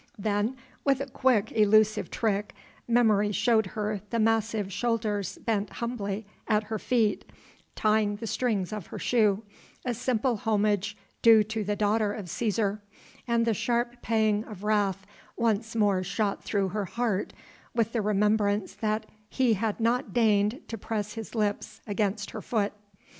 Then, with a quick, elusive trick, memory showed her the massive shoulders bent humbly at her feet, tying the strings of her shoe a simple homage due to the daughter of Cæsar and the sharp pang of wrath once more shot through her heart with the remembrance that he had not deigned to press his lips against her foot.